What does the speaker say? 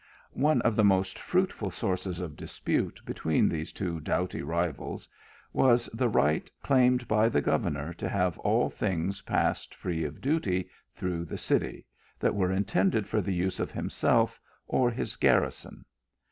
One of the most fruitful sources of dispute between these two doughty rivals, was the right claimed by the governor to have all things passed free of duty through the city, that were intended for the use of 244 THE ALHAMBRA. himself or his garrison.